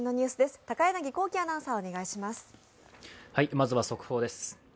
まずは速報です。